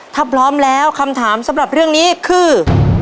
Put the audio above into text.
ถ้าพร้อมแล้วคำถามสำหรับเรื่องนี้คือ